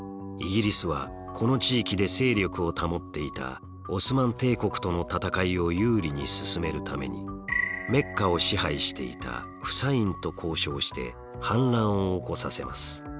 イギリスはこの地域で勢力を保っていたオスマン帝国との戦いを有利に進めるためにメッカを支配していたフサインと交渉して反乱を起こさせます。